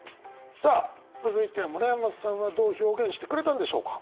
さあ続いて村山さんはどう表現してくれたんでしょうか？